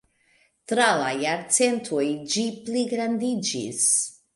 Tra la jarcentoj ĝi pligrandiĝis.